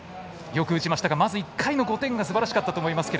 よく打ちましたがまず１回の５点がすばらしかったと思います。